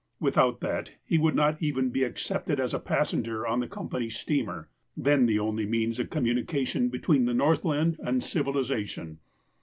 Without that, he would not even be ac cepted as a passenger on the company's steamer, then the only means of communication between the Northland and civilization.